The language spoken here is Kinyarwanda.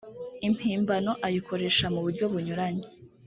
impimbano ayikoresha muburyo bunyuranye.